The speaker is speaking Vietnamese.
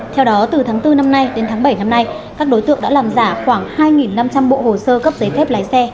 theo đó từ tháng bốn năm nay đến tháng bảy năm nay các đối tượng đã làm giả khoảng hai năm trăm linh bộ hồ sơ cấp giấy phép lái xe